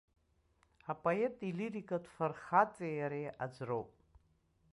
Апоет илирикатә фырхаҵеи иареи аӡә роуп.